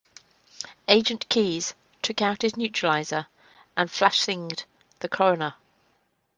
Agent Keys took out his neuralizer and flashy-thinged the coroner.